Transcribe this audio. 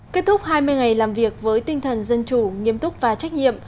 kết thúc hai mươi ngày làm việc với tinh thần dân chủ nghiêm túc và trách nhiệm